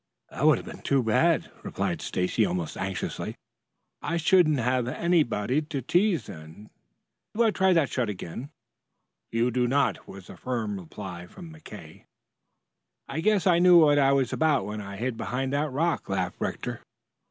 "That would have been too bad," replied Stacy almost anxiously. "I shouldn't have had anybody to tease then. Do I try that shot again?" "You do not!" was the firm reply from McKay. "I guess I knew what I was about when I hid behind that rock," laughed Rector.